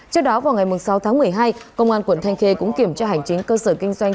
trước đó vào ngày sáu tháng một mươi hai công an quận thanh khê cũng kiểm tra hành chính cơ sở kinh doanh